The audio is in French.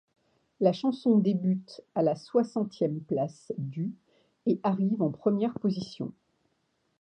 La chanson débute à la soixantième place du et arrive en première position.